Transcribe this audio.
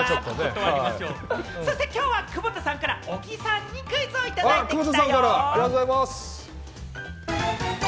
そしてきょうは窪田さんから小木さんにクイズをいただいてきたよ。